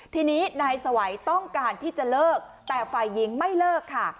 ทีนี้ไนสไวท์ต้องการที่จะเลิกแต่ไฟยิงไม่เลิกค่ะ